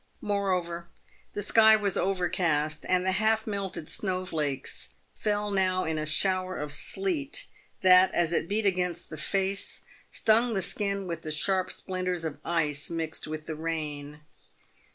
Moreover, the sky was overcast, and the half melted snow flakes fell now in a shower of sleet, that, as it beat against the face, stung the skin with the sharp splinters of ice mixed with the rain.